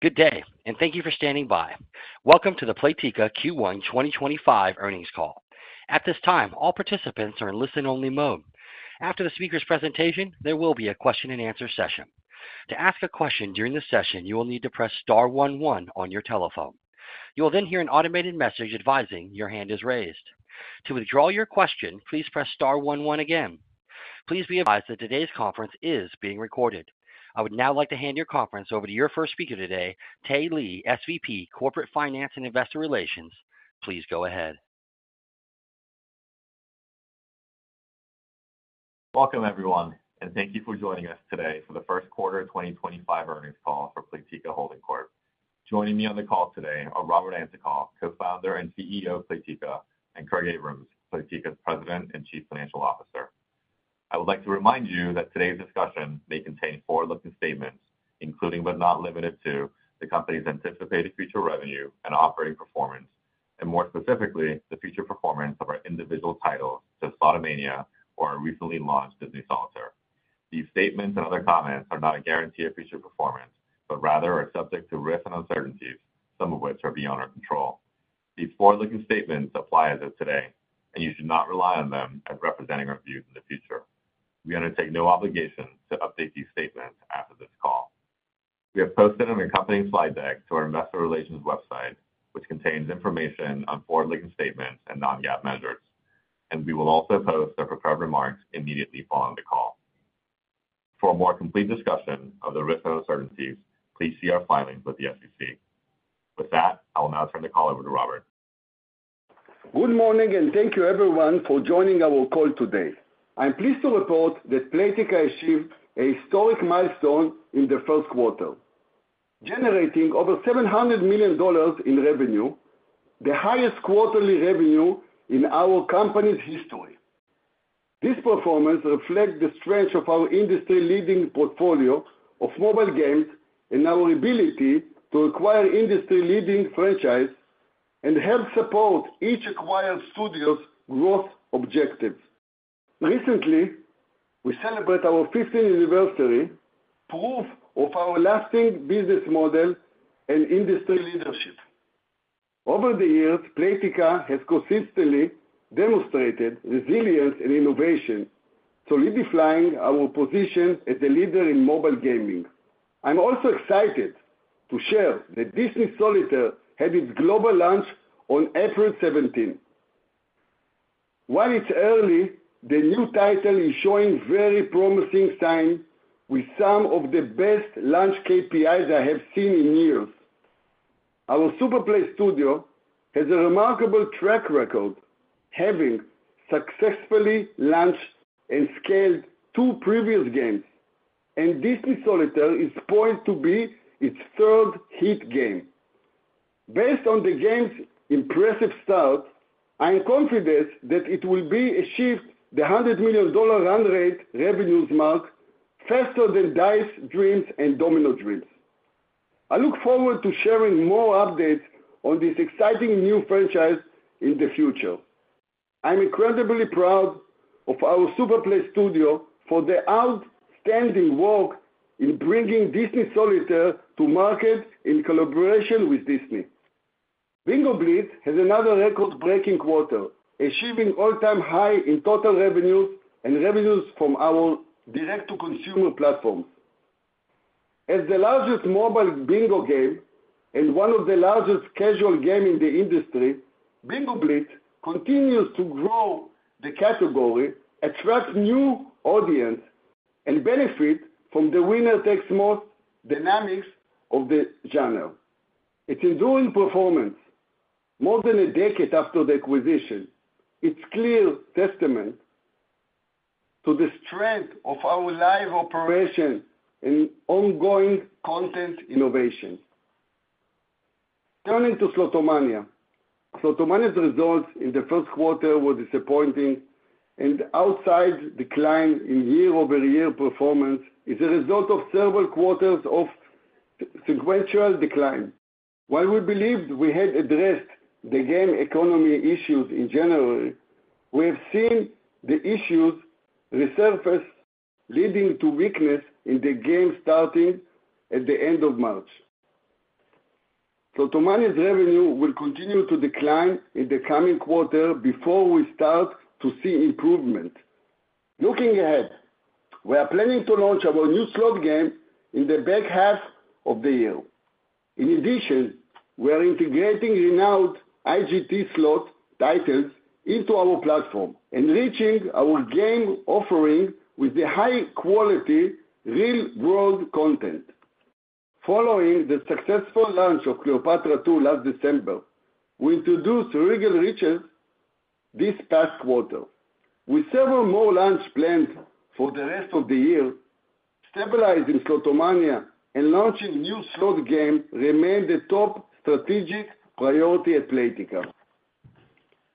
Good day, and thank you for standing by. Welcome to the Playtika Q1 2025 Earnings Call. At this time, all participants are in listen-only mode. After the speaker's presentation, there will be a question-and-answer session. To ask a question during the session, you will need to press star one one on your telephone. You will then hear an automated message advising your hand is raised. To withdraw your question, please press star one one again. Please be advised that today's conference is being recorded. I would now like to hand your conference over to your first speaker today, Tae Lee, SVP, Corporate Finance and Investor Relations. Please go ahead. Welcome, everyone, and thank you for joining us today for the first quarter 2025 earnings call for Playtika Holding Corp. Joining me on the call today are Robert Antokol, co-founder and CEO of Playtika, and Craig Abrahams, Playtika's President and Chief Financial Officer. I would like to remind you that today's discussion may contain forward-looking statements, including but not limited to the company's anticipated future revenue and operating performance, and more specifically, the future performance of our individual titles, Slotomania, or our recently launched Disney Solitaire. These statements and other comments are not a guarantee of future performance, but rather are subject to risks and uncertainties, some of which are beyond our control. These forward-looking statements apply as of today, and you should not rely on them as representing our views in the future. We undertake no obligation to update these statements after this call. We have posted an accompanying slide deck to our investor relations website, which contains information on forward-looking statements and non-GAAP measures, and we will also post our prepared remarks immediately following the call. For a more complete discussion of the risks and uncertainties, please see our filings with the SEC. With that, I will now turn the call over to Robert. Good morning, and thank you, everyone, for joining our call today. I'm pleased to report that Playtika achieved a historic milestone in the first quarter, generating over $700 million in revenue, the highest quarterly revenue in our company's history. This performance reflects the strength of our industry-leading portfolio of mobile games and our ability to acquire industry-leading franchises and help support each acquired studio's growth objectives. Recently, we celebrated our 15th anniversary, proof of our lasting business model and industry leadership. Over the years, Playtika has consistently demonstrated resilience and innovation, solidifying our position as a leader in mobile gaming. I'm also excited to share that Disney Solitaire had its global launch on April 17. While it's early, the new title is showing very promising signs with some of the best launch KPIs I have seen in years. Our SuperPlay studio has a remarkable track record, having successfully launched and scaled two previous games, and Disney Solitaire is poised to be its third hit game. Based on the game's impressive start, I'm confident that it will achieve the $100 million run rate revenues mark faster than Dice Dreams and Domino Dreams. I look forward to sharing more updates on this exciting new franchise in the future. I'm incredibly proud of our SuperPlay studio for the outstanding work in bringing Disney Solitaire to market in collaboration with Disney. Bingo Blitz has another record-breaking quarter, achieving all-time highs in total revenues and revenues from our direct-to-consumer platforms. As the largest mobile bingo game and one of the largest casual games in the industry, Bingo Blitz continues to grow the category, attract new audiences, and benefit from the winner-takes-most dynamics of the genre. Its enduring performance, more than a decade after the acquisition, is a clear testament to the strength of our live operations and ongoing content innovation. Turning to Slotomania, Slotomania's results in the first quarter were disappointing, and outside decline in year-over-year performance is a result of several quarters of sequential decline. While we believed we had addressed the game economy issues in January, we have seen the issues resurface, leading to weakness in the game starting at the end of March. Slotomania's revenue will continue to decline in the coming quarter before we start to see improvement. Looking ahead, we are planning to launch our new slot game in the back half of the year. In addition, we are integrating renowned IGT slot titles into our platform, enriching our game offering with high-quality real-world content. Following the successful launch of Cleopatra II last December, we introduced Regal Riches this past quarter. With several more launches planned for the rest of the year, stabilizing Slotomania and launching new slot games remain the top strategic priority at Playtika.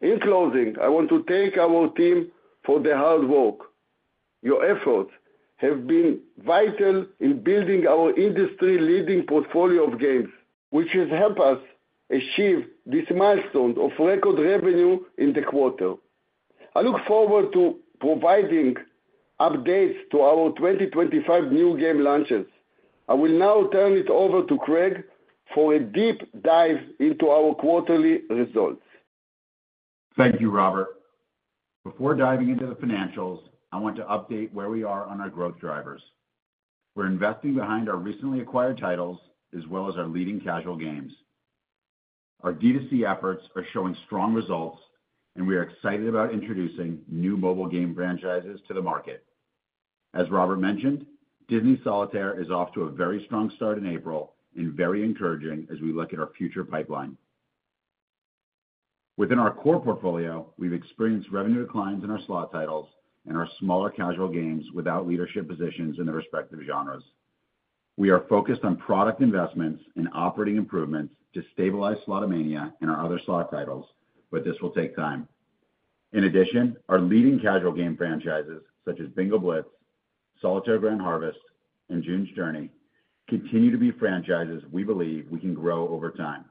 In closing, I want to thank our team for the hard work. Your efforts have been vital in building our industry-leading portfolio of games, which has helped us achieve this milestone of record revenue in the quarter. I look forward to providing updates to our 2025 new game launches. I will now turn it over to Craig for a deep dive into our quarterly results. Thank you, Robert. Before diving into the financials, I want to update where we are on our growth drivers. We're investing behind our recently acquired titles as well as our leading casual games. Our D2C efforts are showing strong results, and we are excited about introducing new mobile game franchises to the market. As Robert mentioned, Disney Solitaire is off to a very strong start in April and very encouraging as we look at our future pipeline. Within our core portfolio, we've experienced revenue declines in our slot titles and our smaller casual games without leadership positions in their respective genres. We are focused on product investments and operating improvements to stabilize Slotomania and our other slot titles, but this will take time. In addition, our leading casual game franchises, such as Bingo Blitz, Solitaire Grand Harvest, and June's Journey, continue to be franchises we believe we can grow over time.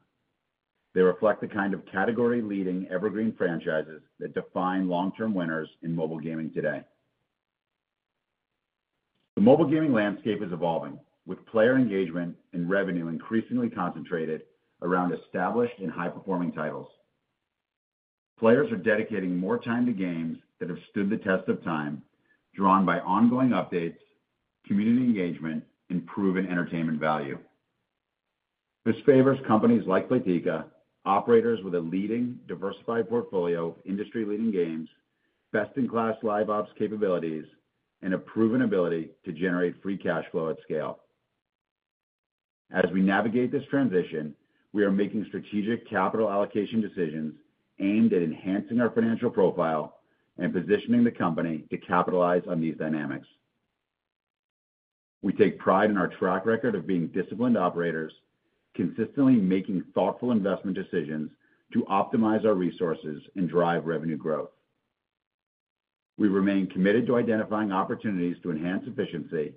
They reflect the kind of category-leading evergreen franchises that define long-term winners in mobile gaming today. The mobile gaming landscape is evolving, with player engagement and revenue increasingly concentrated around established and high-performing titles. Players are dedicating more time to games that have stood the test of time, drawn by ongoing updates, community engagement, and proven entertainment value. This favors companies like Playtika, operators with a leading, diversified portfolio of industry-leading games, best-in-class live ops capabilities, and a proven ability to generate free cash flow at scale. As we navigate this transition, we are making strategic capital allocation decisions aimed at enhancing our financial profile and positioning the company to capitalize on these dynamics. We take pride in our track record of being disciplined operators, consistently making thoughtful investment decisions to optimize our resources and drive revenue growth. We remain committed to identifying opportunities to enhance efficiency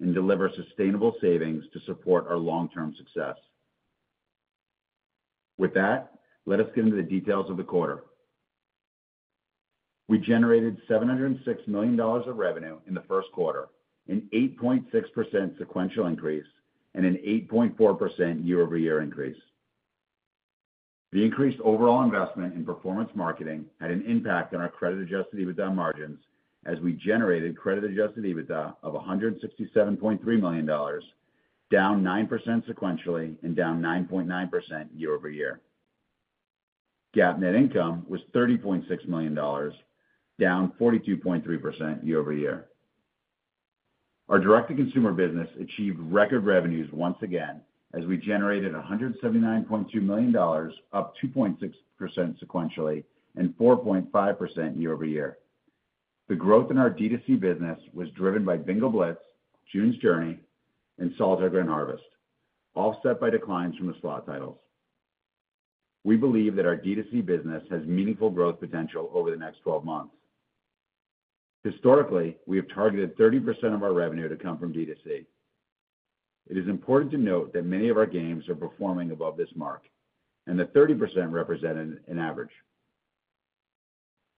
and deliver sustainable savings to support our long-term success. With that, let us get into the details of the quarter. We generated $706 million of revenue in the first quarter, an 8.6% sequential increase, and an 8.4% year-over-year increase. The increased overall investment in performance marketing had an impact on our credit-adjusted EBITDA margins as we generated credit-adjusted EBITDA of $167.3 million, down 9% sequentially and down 9.9% year-over-year. GAAP net income was $30.6 million, down 42.3% year-over-year. Our direct-to-consumer business achieved record revenues once again as we generated $179.2 million, up 2.6% sequentially and 4.5% year-over-year. The growth in our D2C business was driven by Bingo Blitz, June's Journey, and Solitaire Grand Harvest, all set by declines from the slot titles. We believe that our D2C business has meaningful growth potential over the next 12 months. Historically, we have targeted 30% of our revenue to come from D2C. It is important to note that many of our games are performing above this mark, and the 30% represented an average.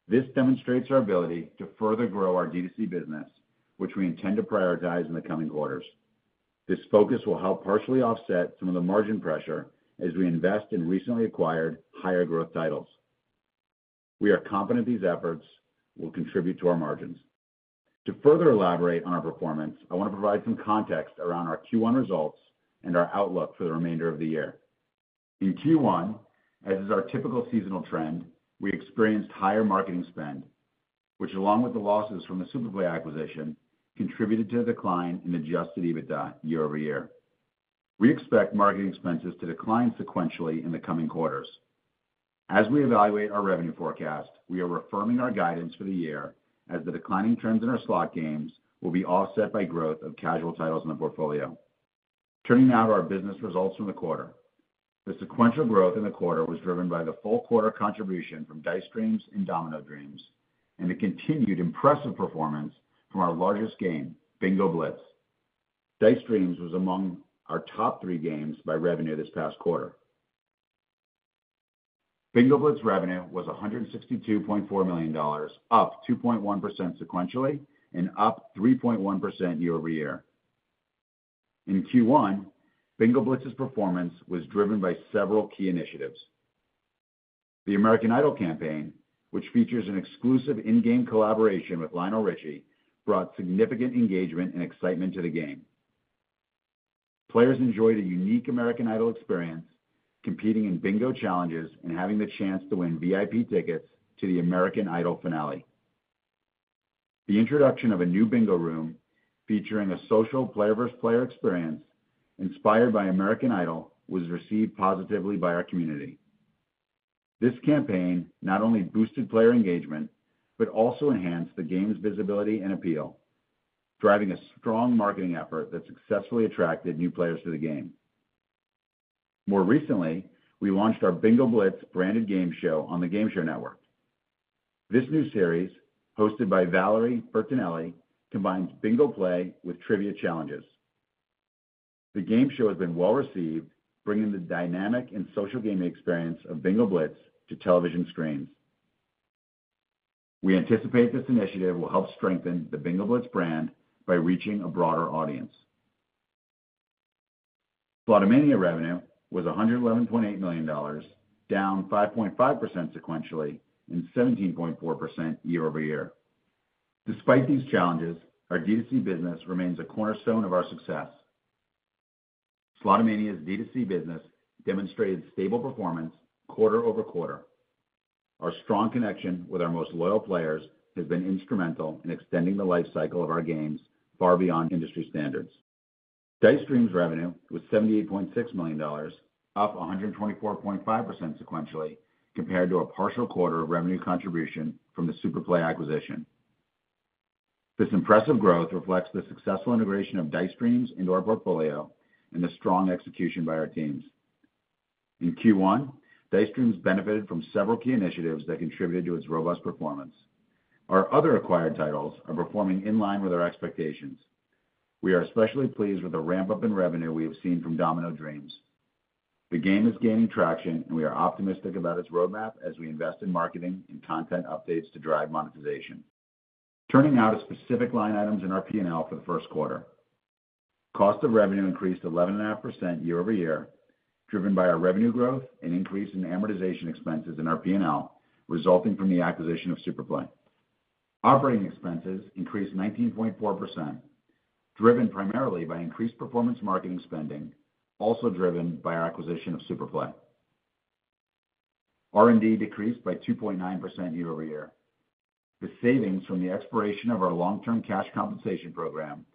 This demonstrates our ability to further grow our D2C business, which we intend to prioritize in the coming quarters. This focus will help partially offset some of the margin pressure as we invest in recently acquired, higher-growth titles. We are confident these efforts will contribute to our margins. To further elaborate on our performance, I want to provide some context around our Q1 results and our outlook for the remainder of the year. In Q1, as is our typical seasonal trend, we experienced higher marketing spend, which, along with the losses from the SuperPlay acquisition, contributed to the decline in adjusted EBITDA year-over-year. We expect marketing expenses to decline sequentially in the coming quarters. As we evaluate our revenue forecast, we are affirming our guidance for the year as the declining trends in our slot games will be offset by growth of casual titles in the portfolio. Turning now to our business results from the quarter. The sequential growth in the quarter was driven by the full quarter contribution from Dice Dreams and Domino Dreams, and the continued impressive performance from our largest game, Bingo Blitz. Dice Dreams was among our top three games by revenue this past quarter. Bingo Blitz revenue was $162.4 million, up 2.1% sequentially and up 3.1% year-over-year. In Q1, Bingo Blitz's performance was driven by several key initiatives. The American Idol campaign, which features an exclusive in-game collaboration with Lionel Richie, brought significant engagement and excitement to the game. Players enjoyed a unique American Idol experience, competing in bingo challenges and having the chance to win VIP tickets to the American Idol finale. The introduction of a new bingo room featuring a social player-versus-player experience inspired by American Idol was received positively by our community. This campaign not only boosted player engagement but also enhanced the game's visibility and appeal, driving a strong marketing effort that successfully attracted new players to the game. More recently, we launched our Bingo Blitz branded game show on the Game Show Network. This new series, hosted by Valerie Bertinelli, combines bingo play with trivia challenges. The game show has been well received, bringing the dynamic and social gaming experience of Bingo Blitz to television screens. We anticipate this initiative will help strengthen the Bingo Blitz brand by reaching a broader audience. Slotomania revenue was $111.8 million, down 5.5% sequentially and 17.4% year-over-year. Despite these challenges, our D2C business remains a cornerstone of our success. Slotomania's D2C business demonstrated stable performance quarter over quarter. Our strong connection with our most loyal players has been instrumental in extending the life cycle of our games far beyond industry standards. Dice Dreams revenue was $78.6 million, up 124.5% sequentially compared to a partial quarter of revenue contribution from the SuperPlay acquisition. This impressive growth reflects the successful integration of Dice Dreams into our portfolio and the strong execution by our teams. In Q1, Dice Dreams benefited from several key initiatives that contributed to its robust performance. Our other acquired titles are performing in line with our expectations. We are especially pleased with the ramp-up in revenue we have seen from Domino Dreams. The game is gaining traction, and we are optimistic about its roadmap as we invest in marketing and content updates to drive monetization. Turning now to specific line items in our P&L for the first quarter. Cost of revenue increased 11.5% year-over-year, driven by our revenue growth and increase in amortization expenses in our P&L resulting from the acquisition of SuperPlay. Operating expenses increased 19.4%, driven primarily by increased performance marketing spending, also driven by our acquisition of SuperPlay. R&D decreased by 2.9% year-over-year. The savings from the expiration of our long-term cash compensation program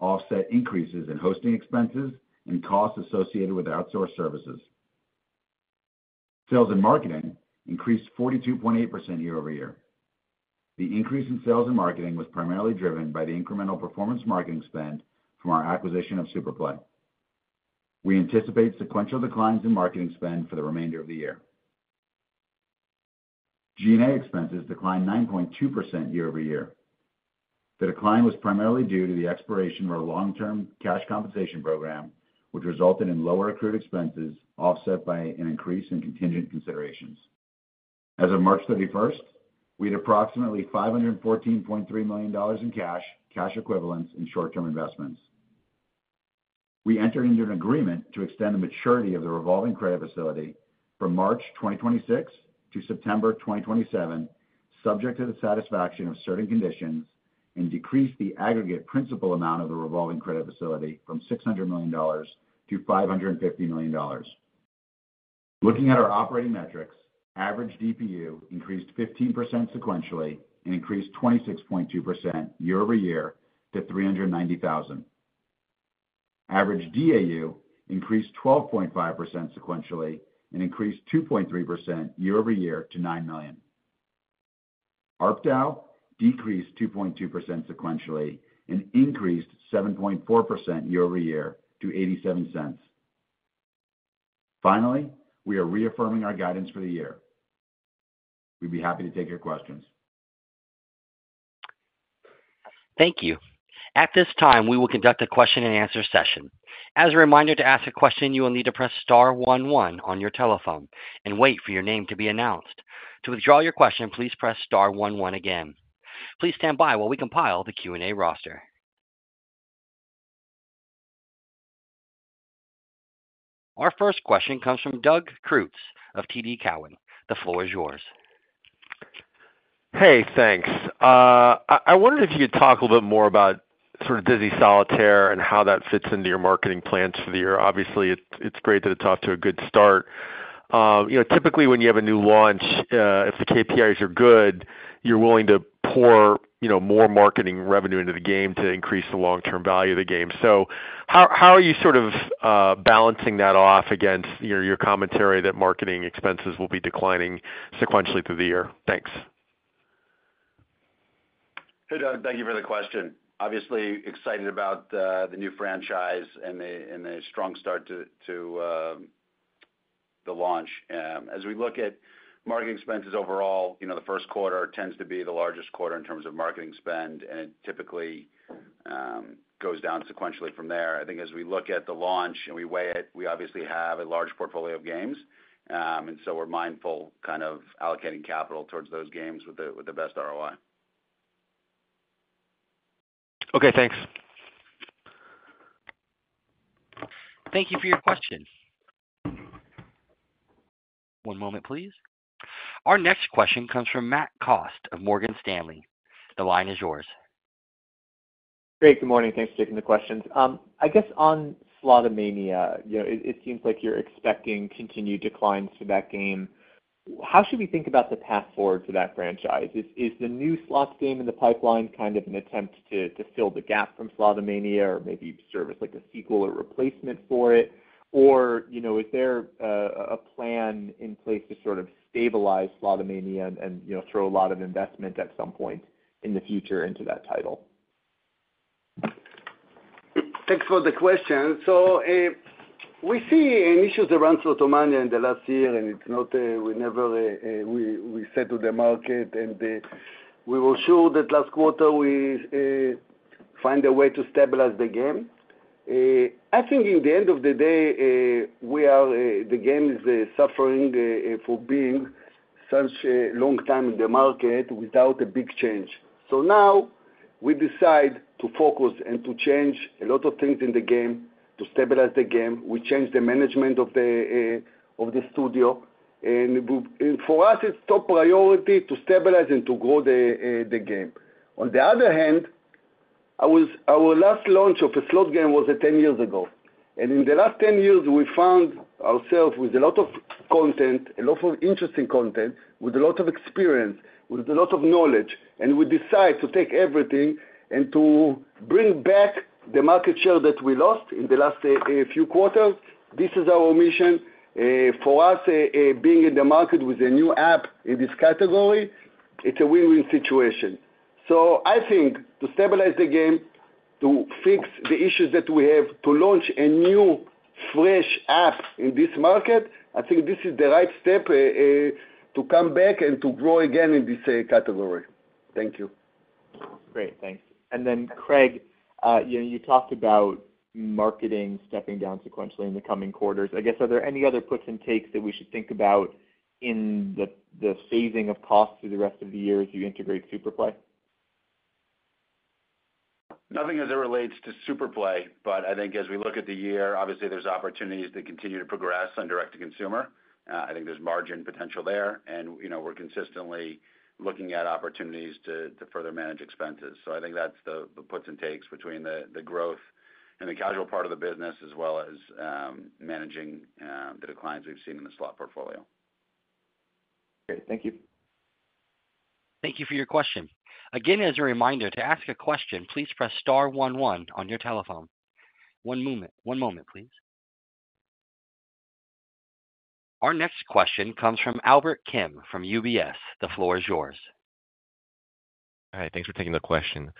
offset increases in hosting expenses and costs associated with outsourced services. Sales and marketing increased 42.8% year-over-year. The increase in sales and marketing was primarily driven by the incremental performance marketing spend from our acquisition of SuperPlay. We anticipate sequential declines in marketing spend for the remainder of the year. G&A expenses declined 9.2% year-over-year. The decline was primarily due to the expiration of our long-term cash compensation program, which resulted in lower accrued expenses offset by an increase in contingent considerations. As of March 31st, we had approximately $514.3 million in cash, cash equivalents, and short-term investments. We entered into an agreement to extend the maturity of the revolving credit facility from March 2026 to September 2027, subject to the satisfaction of certain conditions, and decreased the aggregate principal amount of the revolving credit facility from $600 million-$550 million. Looking at our operating metrics, average DPU increased 15% sequentially and increased 26.2% year-over-year to $390,000. Average DAU increased 12.5% sequentially and increased 2.3% year-over-year to $9 million. ARPDAU decreased 2.2% sequentially and increased 7.4% year-over-year to $0.87. Finally, we are reaffirming our guidance for the year. We'd be happy to take your questions. Thank you. At this time, we will conduct a question-and-answer session. As a reminder to ask a question, you will need to press star one one on your telephone and wait for your name to be announced. To withdraw your question, please press star one one again. Please stand by while we compile the Q&A roster. Our first question comes from Doug Creutz of TD Cowen. The floor is yours. Hey, thanks. I wondered if you could talk a little bit more about sort of Disney Solitaire and how that fits into your marketing plans for the year. Obviously, it's great that it's off to a good start. Typically, when you have a new launch, if the KPIs are good, you're willing to pour more marketing revenue into the game to increase the long-term value of the game. How are you sort of balancing that off against your commentary that marketing expenses will be declining sequentially through the year? Thanks. Hey, Doug. Thank you for the question. Obviously, excited about the new franchise and a strong start to the launch. As we look at marketing expenses overall, the first quarter tends to be the largest quarter in terms of marketing spend, and it typically goes down sequentially from there. I think as we look at the launch and we weigh it, we obviously have a large portfolio of games, and so we're mindful kind of allocating capital towards those games with the best ROI. Okay, thanks. Thank you for your question. One moment, please. Our next question comes from Matt Cost of Morgan Stanley. The line is yours. Hey, good morning. Thanks for taking the questions. I guess on Slotomania, it seems like you're expecting continued declines for that game. How should we think about the path forward for that franchise? Is the new slots game in the pipeline kind of an attempt to fill the gap from Slotomania or maybe serve as like a sequel or replacement for it? Or is there a plan in place to sort of stabilize Slotomania and throw a lot of investment at some point in the future into that title? Thanks for the question. We see initials around Slotomania in the last year, and we never said to the market, and we were sure that last quarter we find a way to stabilize the game. I think in the end of the day, the game is suffering for being such a long time in the market without a big change. Now we decide to focus and to change a lot of things in the game to stabilize the game. We changed the management of the studio, and for us, it's top priority to stabilize and to grow the game. On the other hand, our last launch of a slot game was 10 years ago, and in the last 10 years, we found ourselves with a lot of content, a lot of interesting content, with a lot of experience, with a lot of knowledge, and we decide to take everything and to bring back the market share that we lost in the last few quarters. This is our mission. For us, being in the market with a new app in this category, it's a win-win situation. I think to stabilize the game, to fix the issues that we have, to launch a new fresh app in this market, I think this is the right step to come back and to grow again in this category. Thank you. Great. Thanks. Craig, you talked about marketing stepping down sequentially in the coming quarters. I guess, are there any other puts and takes that we should think about in the phasing of costs through the rest of the year as you integrate SuperPlay? Nothing as it relates to SuperPlay, but I think as we look at the year, obviously, there's opportunities to continue to progress on direct-to-consumer. I think there's margin potential there, and we're consistently looking at opportunities to further manage expenses. I think that's the puts and takes between the growth and the casual part of the business as well as managing the declines we've seen in the slot portfolio. Great. Thank you. Thank you for your question. Again, as a reminder, to ask a question, please press star one one on your telephone. One moment, please. Our next question comes from Albert Kim from UBS. The floor is yours. All right. Thanks for taking the question.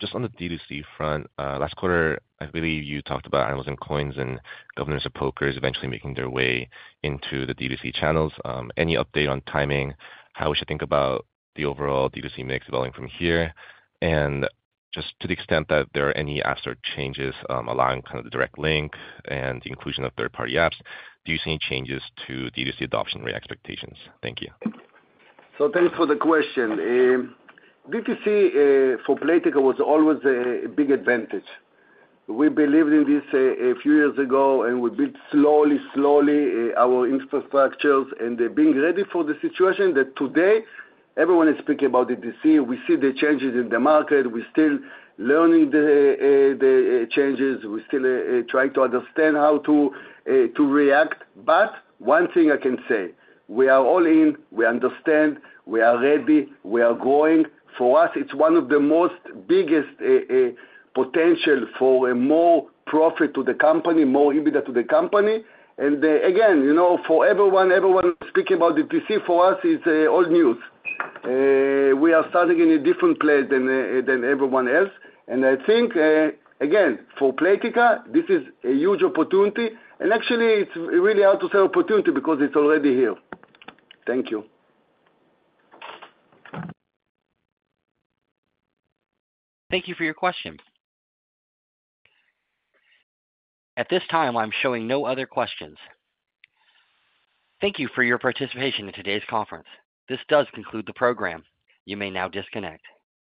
Just on the D2C front, last quarter, I believe you talked about Animals and Coins and Governors of Poker eventually making their way into the D2C channels. Any update on timing, how we should think about the overall D2C mix evolving from here, and just to the extent that there are any apps or changes allowing kind of the direct link and the inclusion of third-party apps, do you see any changes to D2C adoption rate expectations? Thank you. Thank you for the question. D2C for Playtika was always a big advantage. We believed in this a few years ago, and we built slowly, slowly our infrastructures and being ready for the situation that today everyone is speaking about D2C. We see the changes in the market. We're still learning the changes. We're still trying to understand how to react. One thing I can say, we are all in. We understand. We are ready. We are growing. For us, it's one of the most biggest potential for more profit to the company, more EBITDA to the company. Again, for everyone, everyone speaking about D2C for us is old news. We are starting in a different place than everyone else. I think, again, for Playtika, this is a huge opportunity. Actually, it's really hard to say opportunity because it's already here. Thank you. Thank you for your question. At this time, I'm showing no other questions. Thank you for your participation in today's conference. This does conclude the program. You may now disconnect.